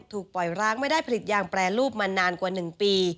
ถูกปล่อยร้างไม่ได้ผลิตยางแปรรูปมานานกว่า๑ปี